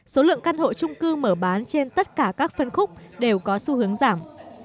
số lượng căn hộ trung cư mở bán trên tất cả các phân khúc đều có xu hướng giảm